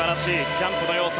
ジャンプの要素